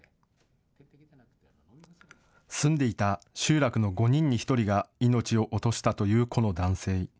住んでいた集落の５人に１人が命を落としたというこの男性。